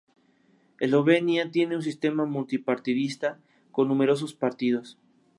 Eslovenia tiene un sistema multipartidista, con numerosos partidos.